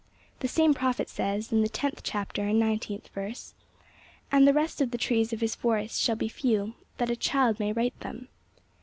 The same prophet says, in the tenth chapter and nineteenth verse, 'And the rest of the trees of his forest shall be few, that a child may write them.'